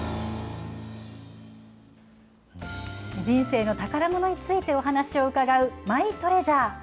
人生の宝ものについてお話を伺うマイトレジャー。